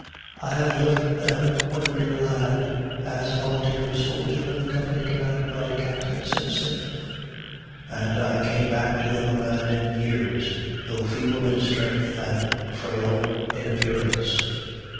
I had left them, when a mere lad, as a volunteer soldier in the company commanded by Captain Simpson, and I came back to them a man in years, though feeble in strength and frail in appearance.